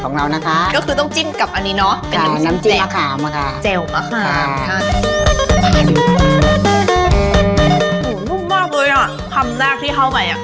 น้ำจิ้มหมาค่ามาค่ะ